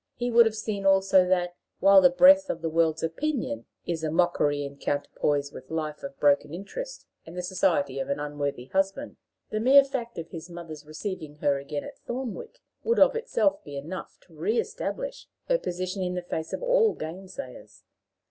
He would have seen also that, while the breath of the world's opinion is a mockery in counterpoise with a life of broken interest and the society of an unworthy husband, the mere fact of his mother's receiving her again at Thornwick would of itself be enough to reestablish her position in the face of all gainsayers.